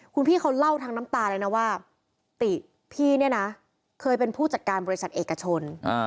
คุณพี่เขาเล่าทั้งน้ำตาเลยนะว่าติพี่เนี่ยนะเคยเป็นผู้จัดการบริษัทเอกชน